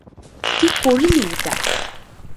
কী করলি এটা!